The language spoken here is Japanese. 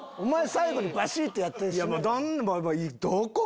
最後にバシっとやって締めろ。